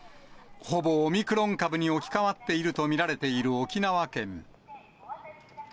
ほぼオミクロン株に置き換わっていると見られている沖縄県。